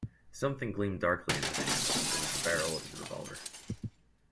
Something gleamed darkly in his hand; it was the barrel of his revolver.